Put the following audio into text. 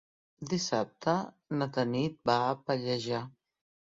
Dissabte na Tanit va a Pallejà.